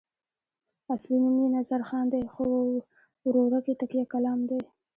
اصلي نوم یې نظرخان دی خو ورورک یې تکیه کلام دی.